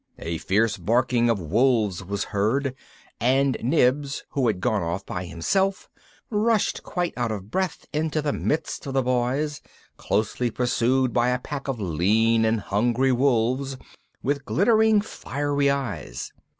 A fierce barking of wolves was heard, and Nibs, who had gone off by himself, rushed, quite out of breath, into the midst of the Boys, closely pursued by a pack of lean and hungry wolves with glittering fiery eyes.